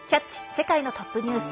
世界のトップニュース」。